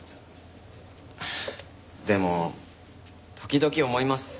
でも時々思います。